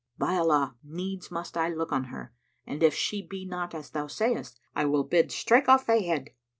By Allah, needs must I look on her, and if she be not as thou sayest, I will bid strike off thy head!